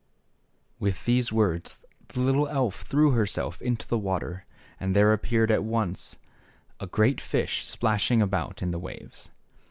With these words the little elf threw herself into the water, and there appeared at once a great fish splashing about in the waves.